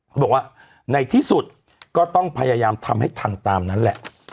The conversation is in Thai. เขาบอกว่าในที่สุดก็ต้องพยายามทำให้ทันตามนั้นแหละ